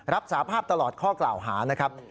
สาภาพตลอดข้อกล่าวหานะครับ